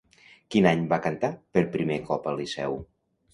Quin any va cantar per primer cop al Liceu?